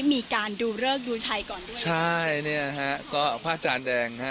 มีการดูเลิกดูชัยก่อนด้วยใช่เนี่ยฮะก็พระอาจารย์แดงฮะ